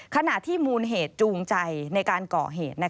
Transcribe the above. ขณะที่มูลเหตุจูงใจในการก่อเหตุ